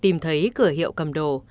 tìm thấy cửa hiệu cầm đồ